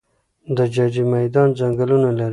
د جاجي میدان ځنګلونه لري